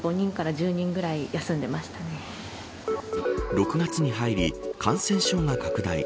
６月に入り感染症が拡大。